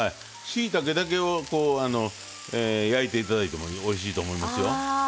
しいたけだけを焼いていただいてもおいしいと思いますよ。